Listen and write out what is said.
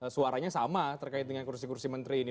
suaranya sama terkait dengan kursi kursi menteri ini